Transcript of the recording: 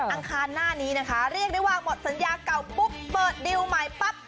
อังคารหน้านี้นะคะเรียกได้ว่าหมดสัญญาเก่าปุ๊บเปิดดิวใหม่ปั๊บ